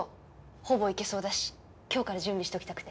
ほぼいけそうだし今日から準備しときたくて。